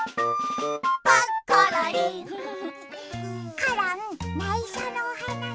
コロンないしょのおはなし。